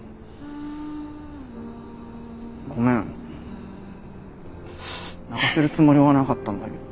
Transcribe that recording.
ごめん泣かせるつもりはなかったんだけど。